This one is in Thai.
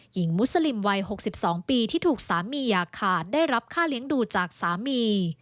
มุสลิมวัย๖๒ปีที่ถูกสามีอย่าขาดได้รับค่าเลี้ยงดูจากสามี